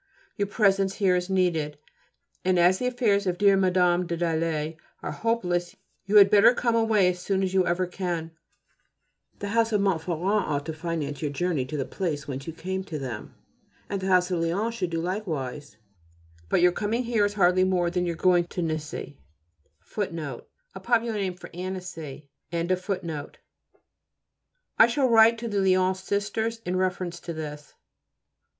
Your presence here is needed, and as the affairs of dear Mme. de Dalet are hopeless you had better come away as soon as ever you can. The house of Montferrand ought to finance your journey from the place whence you came to them, and the house of Lyons should do likewise; but your coming here is hardly more than your going to Nessy.[A] I shall write to the Lyons Sisters in reference to this.